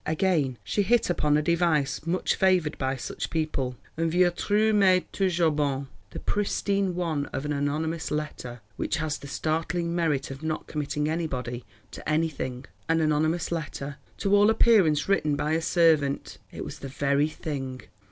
Again she hit upon a device much favoured by such people—"un vieux truc mais toujours bon"—the pristine one of an anonymous letter, which has the startling merit of not committing anybody to anything. An anonymous letter, to all appearance written by a servant: it was the very thing!